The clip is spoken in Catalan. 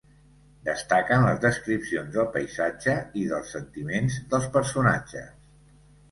Destaquen les descripcions del paisatge i dels sentiments dels personatges.